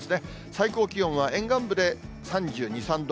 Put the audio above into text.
最高気温は沿岸部で３２、３度。